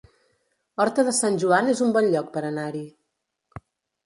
Horta de Sant Joan es un bon lloc per anar-hi